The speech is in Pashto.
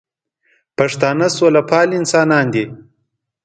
پښتانه سوله پال انسانان دي